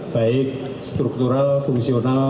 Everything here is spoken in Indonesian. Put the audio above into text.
baik struktural fungsional